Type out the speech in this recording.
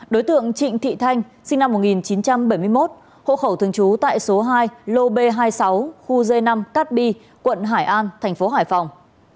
đối tượng trịnh thị thanh sinh năm một nghìn chín trăm bảy mươi một hộ khẩu thường trú tại số hai lô b hai mươi sáu khu g năm cát bi quận hải an thành phố hải phòng